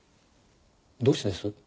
どうしてです？